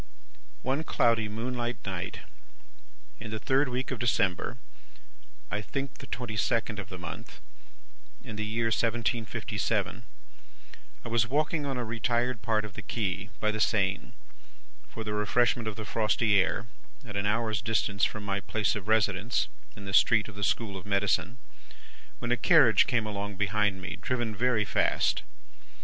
"One cloudy moonlight night, in the third week of December (I think the twenty second of the month) in the year 1757, I was walking on a retired part of the quay by the Seine for the refreshment of the frosty air, at an hour's distance from my place of residence in the Street of the School of Medicine, when a carriage came along behind me, driven very fast.